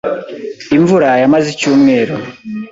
Imvura yamaze icyumweru.